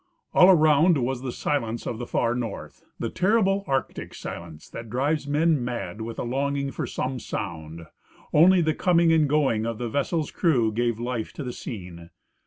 All around was the silence of the far north — the terrible Arctic silence that drives men mad with the longing for some sound. Only the coming and going of the vessel's crew gave life to the scene.